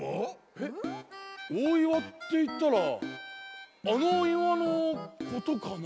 えっおおいわっていったらあのいわのことかな？